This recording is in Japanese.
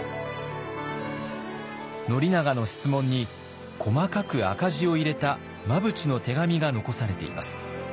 宣長の質問に細かく赤字を入れた真淵の手紙が残されています。